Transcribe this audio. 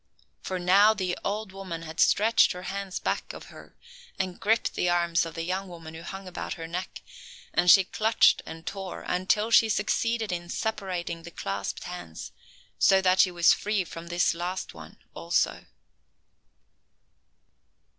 For now the old woman had stretched her hands back of her and gripped the arms of the young woman who hung about her neck, and she clutched and tore until she succeeded in separating the clasped hands, so that she was free from this last one also.